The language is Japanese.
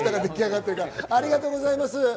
ありがとうございます。